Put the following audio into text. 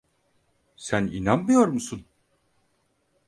Sen inanmıyor musun?